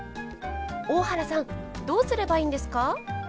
大原さんどうすればいいんですか？